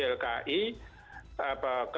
tapi selama ini dalam pengamatan ylki